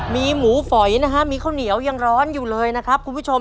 มีหมูฝอยนะฮะมีข้าวเหนียวยังร้อนอยู่เลยนะครับคุณผู้ชม